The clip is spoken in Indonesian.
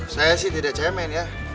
saya sih tidak cemen ya